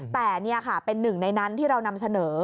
แต่นี่ค่ะเป็นหนึ่งในนั้นที่เรานำเสนอ